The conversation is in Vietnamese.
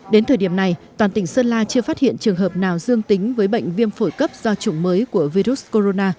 đến thời điểm này toàn tỉnh sơn la chưa phát hiện trường hợp nào dương tính với bệnh viêm phổi cấp do chủng mới của virus corona